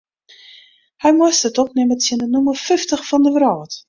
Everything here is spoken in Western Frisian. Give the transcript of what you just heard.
Hy moast it opnimme tsjin de nûmer fyftich fan de wrâld.